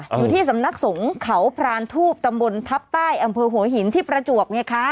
อยู่ที่สำนักสงฆ์เขาพรานทูบตำบลทัพใต้อำเภอหัวหินที่ประจวบไงคะ